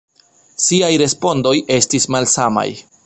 Siaj respondoj estis malsamaj.